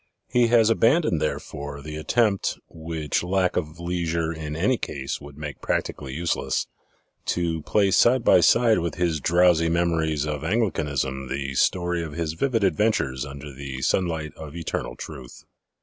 He has abandoned, therefore, the attempt which lack of leisure in any case would make practically useless to place side by side with his drowsy memories of Anglicanism the story of his vivid adventures under the sunlight of Eternal Truth.